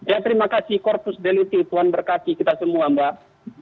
ya terima kasih korpus deliti tuhan berkaci kita semua mbak